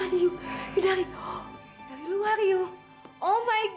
oh iya bener oh iya itu ibu saya pak